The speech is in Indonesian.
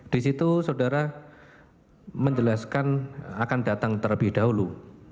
di situ saudara menjelaskan akan datang terlebih dahulu